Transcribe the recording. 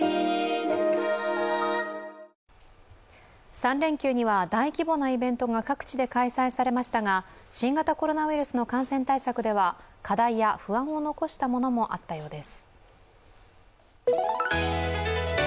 ３連休には大規模なイベントが各地で開催されましたが、新型コロナウイルスの感染対策では課題や不安を残したものもあったようです。